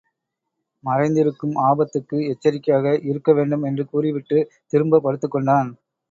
மறைந்திருக்கும் ஆபத்துக்கு எச்சரிக்கையாக இருக்க வேண்டும் என்று கூறிவிட்டுத் திரும்பப் படுத்துக் கொண்டான்.